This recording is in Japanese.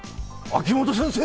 秋元先生！